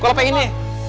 kalo pengen ya